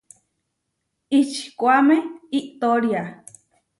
Ihčikuáme iʼtória.